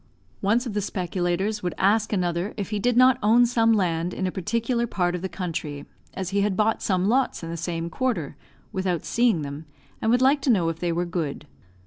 Once of the speculators would ask another if he did not own some land in a particular part of the country, as he had bought some lots in the same quarter, without seeing them, and would like to know if they were good.